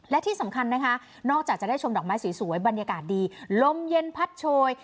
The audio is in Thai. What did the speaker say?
และที่สำคัญนะคะนอกจากจะได้ชมดอกไม้สวยบรรยากาศดีลมเย็นพัดโชย